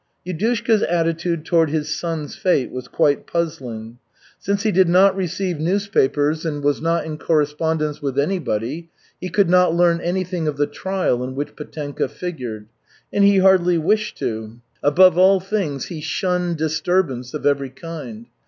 Yudushka's attitude toward his son's fate was quite puzzling. Since he did not receive newspapers and was not in correspondence with anybody, he could not learn anything of the trial in which Petenka figured. And he hardly wished to. Above all things, he shunned disturbance of every kind.